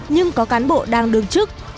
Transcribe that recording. nhưng có cán bộ đang đương chức